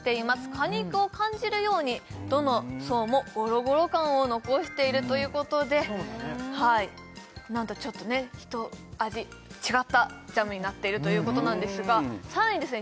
果肉を感じるようにどの層もゴロゴロ感を残しているということでひと味違ったジャムになっているということなんですがさらにですね